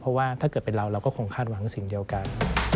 เพราะว่าถ้าเกิดเป็นเราเราก็คงคาดหวังสิ่งเดียวกัน